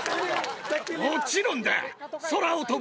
もちろんだ。